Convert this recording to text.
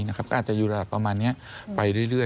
ก็อาจจะอยู่ระดับประมาณนี้ไปเรื่อย